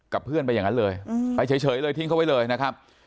เพื่อนไปอย่างนั้นเลยไปเฉยเลยทิ้งเขาไว้เลยนะครับ